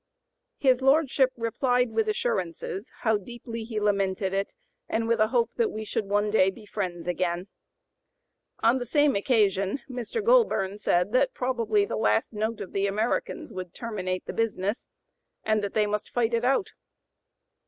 His lordship "replied with assurances how deeply he lamented it, and with a hope that we should one day be friends again." On the same occasion Mr. Goulburn said that probably the last note of the Americans would "terminate the business," and that they "must fight it out."